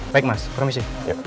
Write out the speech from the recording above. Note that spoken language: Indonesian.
baik mas permisi